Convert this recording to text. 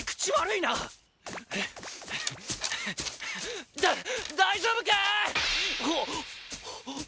いなだ大丈夫か！？